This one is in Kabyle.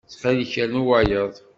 Ttxil-k, rnu wayeḍ.